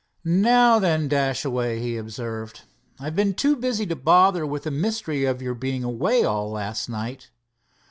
"Now then, Dashaway," he observed. "I've been too busy to bother with the mystery of your being away all last night.